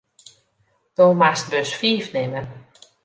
Do moatst bus fiif nimme.